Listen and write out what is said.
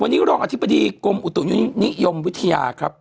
วันนี้รองอธิบดีกรมอุตุนิยมวิทยาครับ